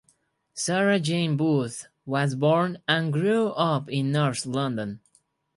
Sarah Jane Booth was born and grew up in North London.